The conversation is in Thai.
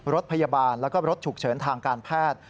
รถพยาบาลแล้วก็รถฉุกเฉินทางการแพทย์